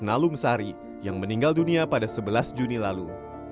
nalu mesari yang meninggal dunia pada sebelas juni lalu